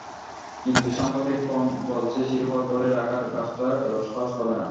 কিন্তু সাম্প্রতিক ফর্ম বলছে, শিরোপা ধরে রাখার কাজটা এবার সহজ হবে না।